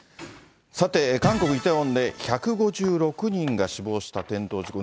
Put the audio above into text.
さて、韓国・イテウォンで１５６人が死亡した転倒事故。